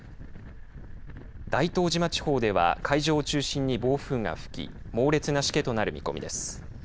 大東島地方では海上を中心に暴風が吹き猛烈なしけとなる見込みです。